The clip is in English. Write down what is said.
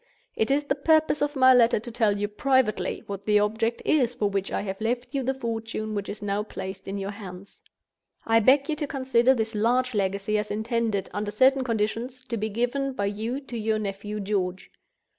It is the purpose of my letter to tell you privately what the object is for which I have left you the fortune which is now placed in your hands. "I beg you to consider this large legacy as intended, under certain conditions, to be given by you to your nephew George.